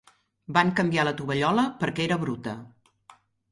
Van canviar la tovallola perquè era bruta.